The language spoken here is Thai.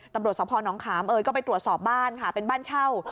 ตำรวจสพนขามเอยก็ไปตรวจสอบบ้านค่ะเป็นบ้านเช่า